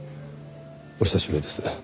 お久しぶりです。